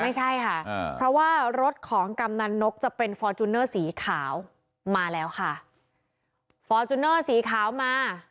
ไม่ใช่ค่ะเพราะว่ารถของกำนันนกจะเป็นฟอร์จูเนอร์สีขาวมาแล้วค่ะฟอร์จูเนอร์สีขาวมา